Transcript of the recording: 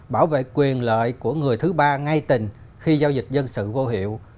bảo vệ quyền lợi của người thứ ba ngay tình khi giao dịch dân sự vô hiệu